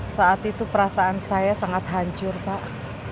saat itu perasaan saya sangat hancur pak